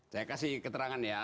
saya kasih keterangan ya